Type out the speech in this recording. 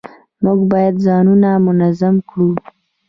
موږ باید ځانونه منظم کړو